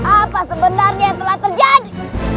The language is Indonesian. apa sebenarnya telah terjadi